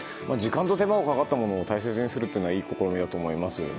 時間と手間がかかったものを大切にするというのはいい心がけだと思います。